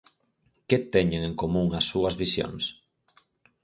Que teñen en común as súas visións?